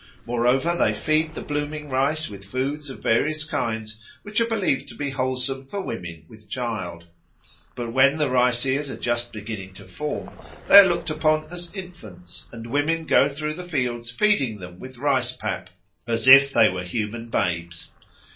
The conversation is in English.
Moreover, they feed the blooming rice with foods of various kinds which are believed to be wholesome for women with child; but when the rice ears are just beginning to form, they are looked upon as infants, and women go through the fields feeding them with rice pap as if they were human babes.